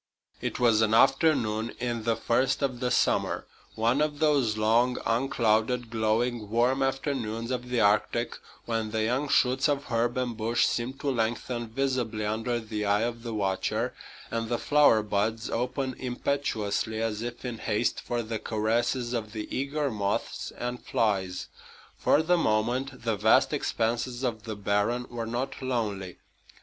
It was an afternoon in the first of the summer, one of those long, unclouded, glowing, warm afternoons of the Arctic, when the young shoots of herb and bush seem to lengthen visibly under the eye of the watcher, and the flower buds open impetuously as if in haste for the caresses of the eager moths and flies. For the moment the vast expanses of the barren were not lonely.